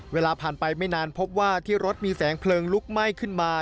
เวลาผ่านไปไม่นานพบว่าที่รถมีแสงเพลิงลุกไหม้ขึ้นมา